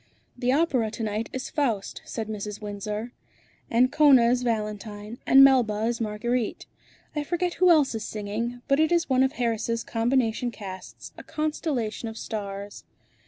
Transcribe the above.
"The opera to night is 'Faust,'" said Mrs. Windsor. "Ancona is Valentine, and Melba is Marguerite. I forget who else is singing, but it is one of Harris' combination casts, a constellation of stars."